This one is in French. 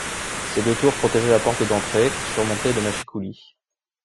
Ces deux tours protégeaient la porte d'entrée, surmontée de machicoulis.